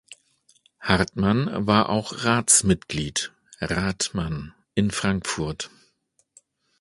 Hartmann war auch Ratsmitglied ("Rathmann") in Frankfurt.